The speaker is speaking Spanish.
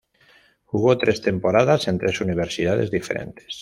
Jugó tres temporadas en tres universidades diferentes.